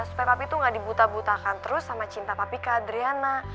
supaya papi tuh gak dibutah butahkan terus sama cinta papi ke adriana